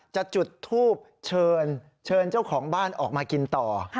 จุดทูบเชิญเชิญเจ้าของบ้านออกมากินต่อ